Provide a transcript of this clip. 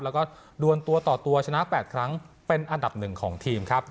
แล้วก็ดวนตัวต่อตัวชนะ๘ครั้งเป็นอันดับ๑ของทีมครับ